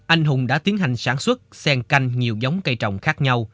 anh hùng đã tiến hành sản xuất sen canh nhiều giống cây trồng khác nhau